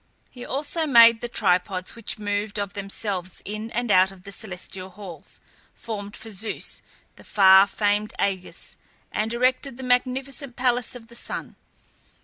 He also made the tripods which moved of themselves in and out of the celestial halls, formed for Zeus the far famed ægis, and erected the magnificent palace of the sun.